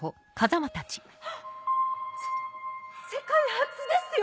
世界初ですよ！